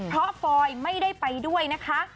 เพราะฟอยไม่ได้ไปด้วยนะคะ